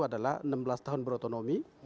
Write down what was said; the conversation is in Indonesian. adalah enam belas tahun berotonomi